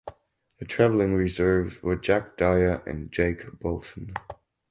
The travelling reserves were Jack Dyer and Jake Bolton.